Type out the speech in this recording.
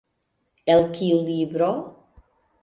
El kiu libro?